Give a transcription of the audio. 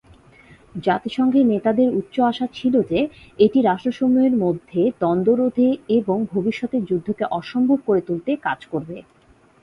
জাতিসংঘের নেতাদের উচ্চ আশা ছিল যে এটি রাষ্ট্রসমূহের মধ্যে দ্বন্দ্ব রোধে এবং ভবিষ্যতের যুদ্ধকে অসম্ভব করে তুলতে কাজ করবে।